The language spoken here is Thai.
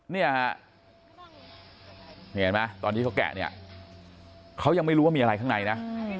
เนี่ยฮะนี่เห็นไหมตอนที่เขาแกะเนี่ยเขายังไม่รู้ว่ามีอะไรข้างในนะ